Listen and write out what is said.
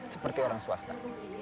seperti orang swasta